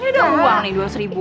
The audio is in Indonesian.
ini doangnya doang nih dua seribu